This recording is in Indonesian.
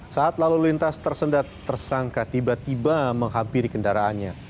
saat lalu lintas tersendat tersangka tiba tiba menghampiri kendaraannya